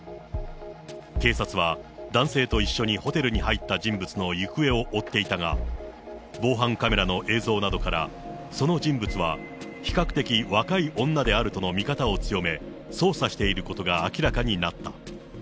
警察は、男性と一緒にホテルに入った人物の行方を追っていたが、防犯カメラの映像などから、その人物は、比較的若い女であるとの見方を強め、捜査していることが明らかになった。